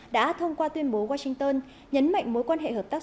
đã thông qua tuyên bố washington nhấn mạnh mối quan hệ hợp tác